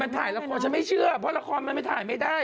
มันถ่ายละครฉันไม่เชื่อเพราะละครมันไม่ถ่ายไม่ได้